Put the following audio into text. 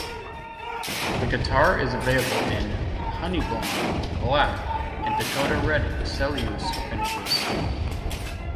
The guitar is available in 'Honey Blonde', 'Black' and 'Dakota Red' cellulose finishes.